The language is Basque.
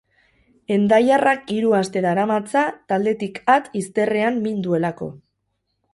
Hendaiarrak hiru aste daramatza taldetik at izterrean min duelako.